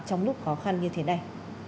trong lúc khó khăn như thế này